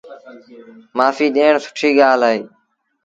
مآڦيٚ ڏيڻ سُٺيٚ ڳآل اهي۔